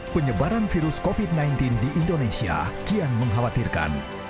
penyebaran virus covid sembilan belas di indonesia kian mengkhawatirkan